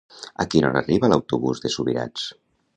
A quina hora arriba l'autobús de Subirats?